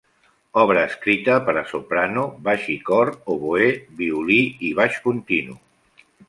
Obra escrita per a soprano, baix i cor; oboè, violí i baix continu.